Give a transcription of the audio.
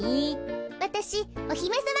わたしおひめさま